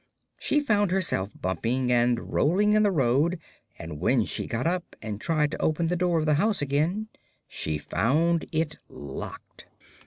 She found herself bumping and rolling in the road and when she got up and tried to open the door of the house again she found it locked.